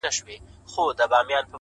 زما لېونۍ و ماته ډېر څه وايي بد څه وايي-